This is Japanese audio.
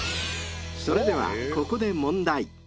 ［それではここで］